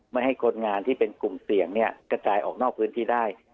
ไม่ให้คนงานที่เป็นกลุ่มเสี่ยงกระจายออกนอกพื้นที่ได้